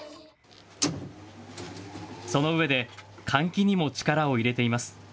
そのうえで換気にも力を入れています。